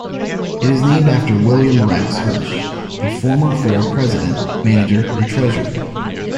It is named after William Rex Hirsch, a former fair president, manager and treasurer.